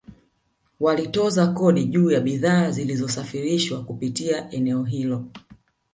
Walitoza kodi juu ya bidhaa zilizosafirishwa kupitia eneo hilo